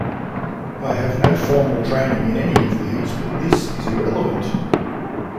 I have no formal training in any of these, but this is irrelevant.